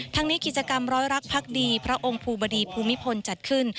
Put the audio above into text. ทั้งนี้กิจกรรมร้อยรักพักดีพระองค์ภูบดีภูมิพลจัดขึ้น